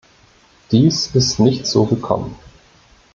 Dies ist nicht so gekommen.